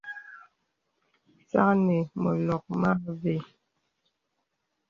Sàknə məlɔk mə àvə.